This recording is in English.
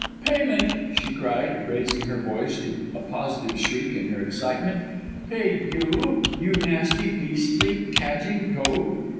"'Payment!' she cried, raising her voice to a positive shriek in her excitement, 'pay you you nasty, beastly, cadging toad.